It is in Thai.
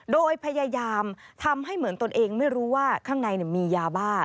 โดยพยายามทำให้เหมือนตนเองไม่รู้ว่าข้างในมียาบ้า